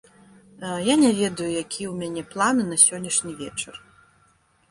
Я не ведаю, якія ў мяне планы на сённяшні вечар.